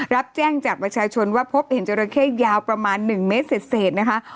รับแจ้งจากประชาชนว่าพบเห็นจราเข้ยาวประมาณ๑เมตรเศษนะคะ